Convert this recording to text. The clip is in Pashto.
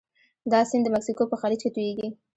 دا سیند د مکسیکو په خلیج کې تویږي.